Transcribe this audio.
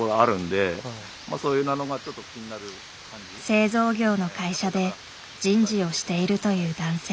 製造業の会社で人事をしているという男性。